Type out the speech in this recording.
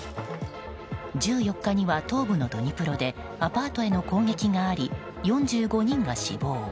１４日には東部のドニプロでアパートへの攻撃があり４５人が死亡。